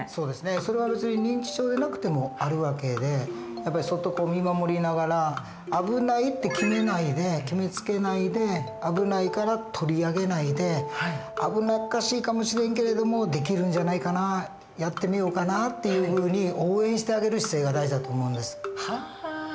それは別に認知症でなくてもある訳でやっぱりそっと見守りながら危ないって決めないで決めつけないで危ないから取り上げないで危なっかしいかもしれんけれどもできるんじゃないかなやってみようかなっていうふうに応援してあげる姿勢が大事だと思うんです。